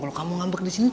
kalo kamu ngambek disini